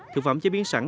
thực phẩm chế biến sẵn